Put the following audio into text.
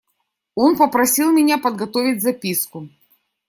Он попросил меня подготовить записку.